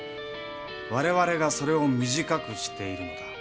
我々がそれを短くしているのだ。